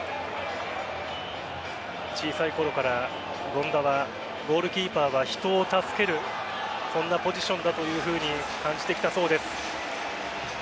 小さいころから権田はゴールキーパーは人を助けるそんなポジションだというふうに感じてきたそうです。